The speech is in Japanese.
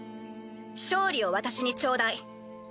勝利を私にちょうだい。